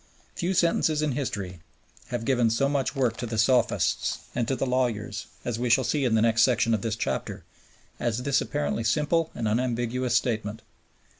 Few sentences in history have given so much work to the sophists and the lawyers, as we shall see in the next section of this chapter, as this apparently simple and unambiguous statement.